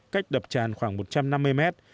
cách đập tràn khoảng một trăm năm mươi mét